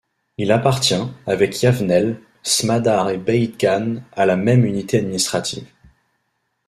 Il appartient, avec Yavnéel, Smadar et Beït-Gan à la même unité administrative.